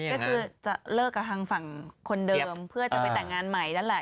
ก็คือจะเลิกกับทางฝั่งคนเดิมเพื่อจะไปแต่งงานใหม่นั่นแหละ